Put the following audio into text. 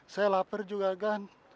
saya lapar juga kan